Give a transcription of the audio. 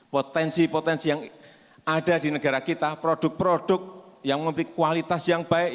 potensi potensi yang ada di negara kita produk produk yang memiliki kualitas yang baik